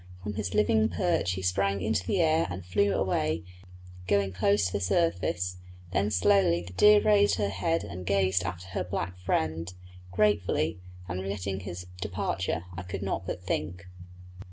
From his living perch he sprang into the air and flew away, going close to the surface; then slowly the deer raised her head and gazed after her black friend gratefully, and regretting his departure, I could not but think.